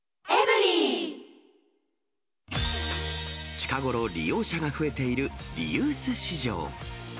近ごろ、利用者が増えているリユース市場。